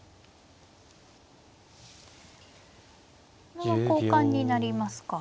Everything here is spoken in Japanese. これは交換になりますか。